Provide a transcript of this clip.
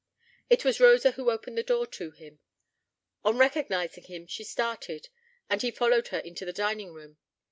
It was Rosa who opened the door to him. On recognizing him she started, and he followed her into the dining room.